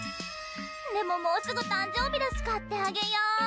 でも、もうすぐ誕生日だし買ってあげよう。